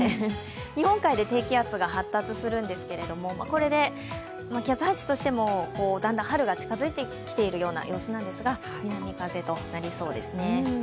日本海で低気圧が発達するんですけど、気圧配置としてもだんだん春が近づいているんですが、南風となりそうですね。